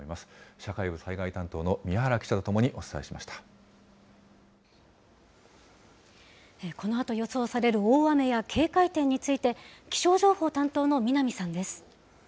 社会部災害担当の宮原記者とともこのあと予想される大雨や警戒点について、気象情報担当の南さんです。